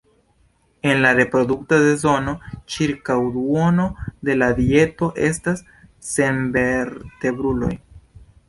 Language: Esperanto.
En la reprodukta sezono, ĉirkaŭ duono de la dieto estas senvertebruloj.